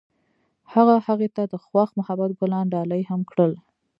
هغه هغې ته د خوښ محبت ګلان ډالۍ هم کړل.